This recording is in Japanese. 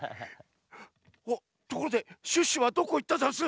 おっところでシュッシュはどこいったざんす？